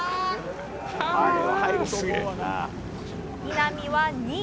稲見は２位。